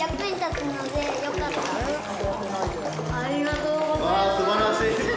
ありがとうございます！